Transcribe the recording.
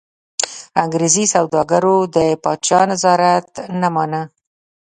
انګرېزي سوداګرو د پاچا نظارت نه مانه.